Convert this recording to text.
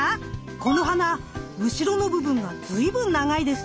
この花後ろの部分が随分長いですね。